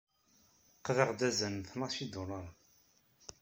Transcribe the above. Qḍiɣ-d azal n tnac idularen.